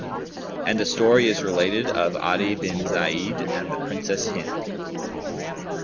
[FN#177] And a story is related of ADI BIN ZAYD AND THE PRINCESS HIND.